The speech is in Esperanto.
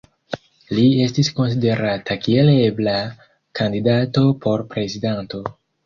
Li estis konsiderata kiel ebla kandidato por prezidanto.